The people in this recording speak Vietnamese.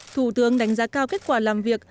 thủ tướng đánh giá cao kết quả làm việc